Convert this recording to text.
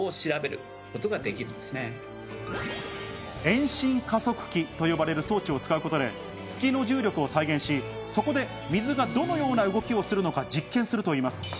遠心加速器と呼ばれる装置を使うことで、月の重力を再現し、そこで水がどのような動きをするのか実験するといいます。